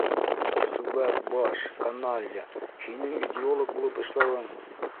Сүбәк баш... каналья... һинең идеолог булып эшләүең...